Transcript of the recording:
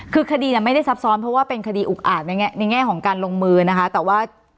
คือคดีไม่ได้ซับซ้อนเพราะว่าเป็นคดีอุกอาจในแง่ของการลงมือนะคะแต่ว่า